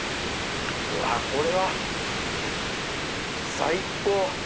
うわこれは最高！